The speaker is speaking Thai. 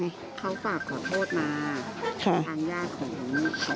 เขาฝากขอโทษมาทางย่าของน้องฟอร์ตอายุ